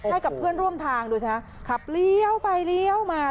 ให้กับเพื่อนร่วมทางดูสิคะขับเลี้ยวไปเลี้ยวมา